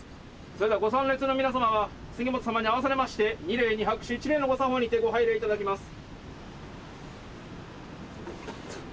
それではご参列の皆様は杉本様に合わされまして二礼二拍手一礼の御作法にてご拝礼頂きます。